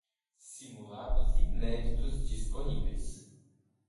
Simulados inéditos disponíveis